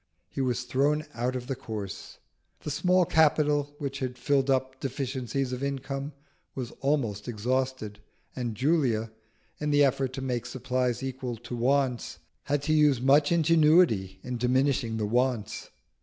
He was thrown out of the course. The small capital which had filled up deficiencies of income was almost exhausted, and Julia, in the effort to make supplies equal to wants, had to use much ingenuity in diminishing the wants.